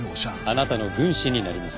あなたの軍師になります。